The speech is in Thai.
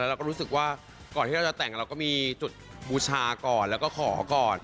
เราก็รู้สึกว่าก่อนที่เราจะแต่งเราก็มีจุดบูชาก่อนแล้วก็ขอก่อน